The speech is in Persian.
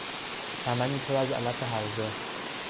چمنی پر از علف هرزه